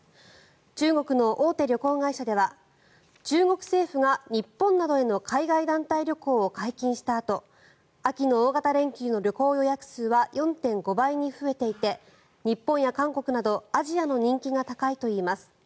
中国の大手旅行会社では中国政府が日本などへの海外団体旅行を解禁したあと秋の大型連休の旅行予約数は４．５倍に増えていて日本や韓国などアジアの人気が高いといいます。